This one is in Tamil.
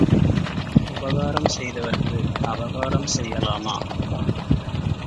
உபகாரம் செய்தவருக்கு அபகாரம் செய்யலாமா?